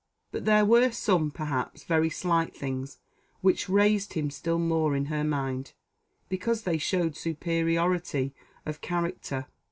But there were some, perhaps very slight things, which raised him still more in her mind, because they showed superiority of character.